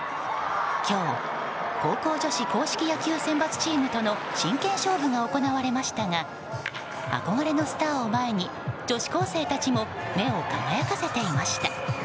今日高校女子硬式野球選抜チームとの真剣勝負が行われましたが憧れのスターを前に女子高生たちも目を輝かせていました。